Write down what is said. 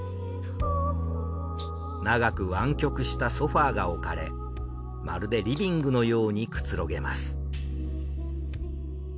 長く湾曲したソファが置かれまるでリビングのようにくつろげます。